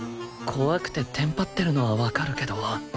怖くてテンパってるのはわかるけど